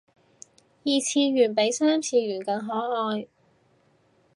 二次元比三次元更可愛